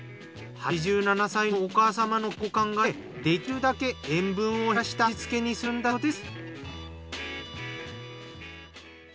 ８７歳のお母様の健康を考えできるだけ塩分を減らした味付けにするんだそうです。